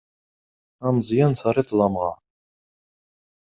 Ameẓyan terriḍ-t d amɣar.